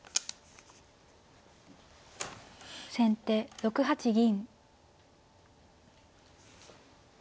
先手６八銀。